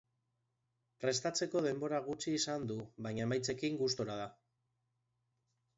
Prestatzeko denbora gutxi izan du baina emaitzekin gustora da.